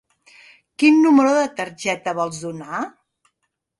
Quin número de targeta vols donar?